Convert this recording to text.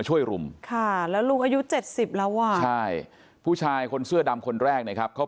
อ้าวอ้าวอ้าวอ้าวอ้าวอ้าวอ้าวอ้าวอ้าวอ้าวอ้าวอ้าวอ้าว